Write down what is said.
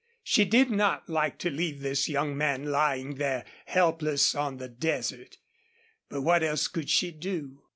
She did not like to leave this young man lying there helpless on the desert. But what else could she do?